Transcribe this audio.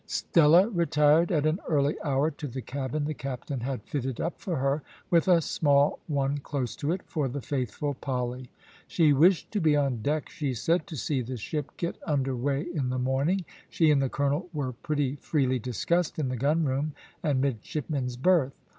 Stella retired at an early hour to the cabin the captain had fitted up for her, with a small one close to it for the faithful Polly. She wished to be on deck, she said, to see the ship get under weigh in the morning. She and the colonel were pretty freely discussed in the gunroom and midshipmen's berth.